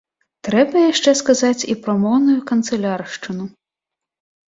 Трэба яшчэ сказаць і пра моўную канцыляршчыну.